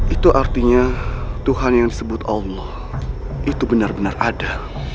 itu artinya tuhan yang disebut allah itu benar benar ada